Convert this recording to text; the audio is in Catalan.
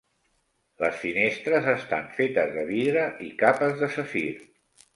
Les finestres estan fetes de vidre i capes de safir.